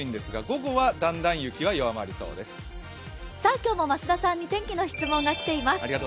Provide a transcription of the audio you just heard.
今日も増田さんに天気の質問が来ています。